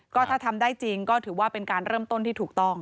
ก็ถ้าทำได้จริงก็ถือว่าเป็นการเริ่มต้นที่ถูกต้อง